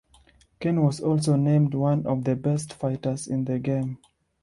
Ken was also named one of the best fighters in the game.